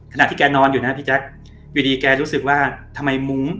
ที่แกนอนอยู่นะพี่แจ๊คอยู่ดีแกรู้สึกว่าทำไมมุ้ง